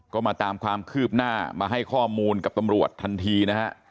ก็มาตามความคืบหน้ามาให้ข้อมูลกับตำรวจทันทีนะฮะ